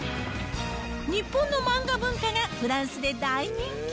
日本の漫画文化がフランスで大人気。